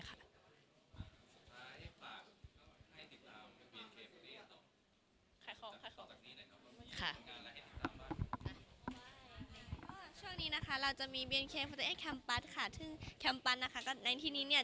ค่ะช่วงนี้นะคะเราจะมีแคมปัสค่ะที่นี่เนี้ย